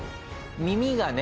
耳がね